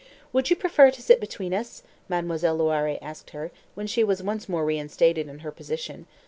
"Would you prefer to sit between us?" Mademoiselle Loiré asked her, when she was once more reinstated in her position.